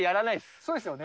そうですよね。